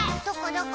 どこ？